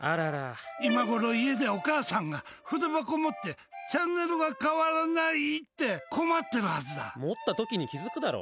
今ごろ家でお母さんが筆箱持って、チャンネルが変わらない！って持った時に気づくだろ。